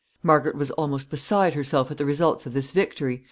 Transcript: Margaret was almost beside herself at the results of this victory.